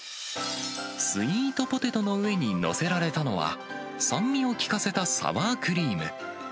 スイートポテトの上に載せられたのは、酸味を効かせたサワークリーム。